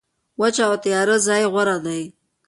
وچه او تیاره ځای غوره دی.